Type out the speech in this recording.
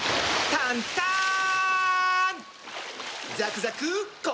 タンターン！